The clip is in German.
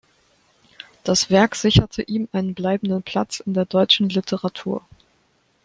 Das Werk sicherte ihm einen bleibenden Platz in der deutschen Literatur.